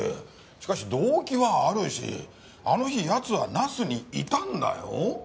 しかし動機はあるしあの日やつは那須にいたんだよ？